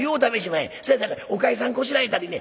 そやさかいおかいさんこしらえたりね